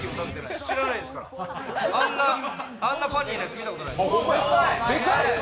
知らないですから、あんなパーティーなんて見たことない。